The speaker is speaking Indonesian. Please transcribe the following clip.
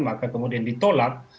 maka kemudian ditolak